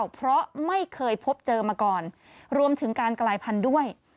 เพราะไม่เคยพบเจอมาก่อนรวมถึงการกลายพันธุ์ด้วย